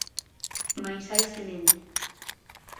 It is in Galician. Mais hai semente.